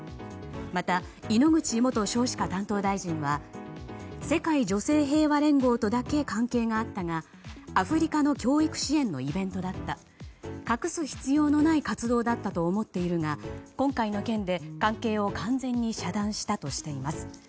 また、猪口元少子化担当大臣は世界女性平和連合とだけ関係があったがアフリカの教育支援のイベントだった隠す必要のない活動だったと思っているが今回の件で関係を完全に遮断したとしています。